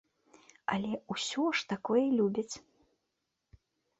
Але ўсё ж такое любяць.